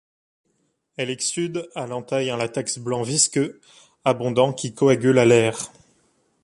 Elle exsude à l'entaille un latex blanc visqueux abondant qui coagule à l'air.